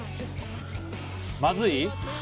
まずい？